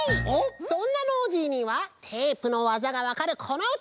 そんなノージーにはテープのわざがわかるこのうた！